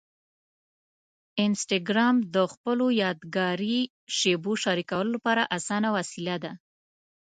انسټاګرام د خپلو یادګاري شېبو شریکولو لپاره اسانه وسیله ده.